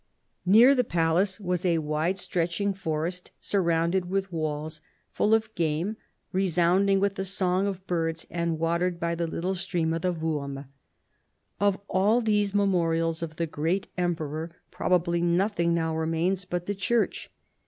Near the palace was a wide stretching forest surrounded with walls, full of game, resounding with the song of birds and watered by the little stream of the "Worm, Of all these memorials of the great emperor proba bly nothing now remains but the church.